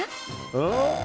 うん？